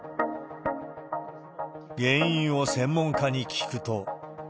原因を専門家に聞くと。